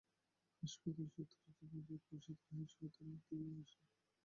হাসপাতাল সূত্র জানায়, খোরশেদকে হাসপাতালে নিয়ে আসেন তাঁর ভাই পরিচয় দেওয়া আবদুল মান্নান।